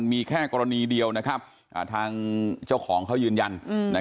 มีแค่กรณีเดียวทางเจ้าของเขายืนยัน